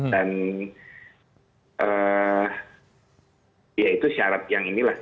dan ya itu syarat yang inilah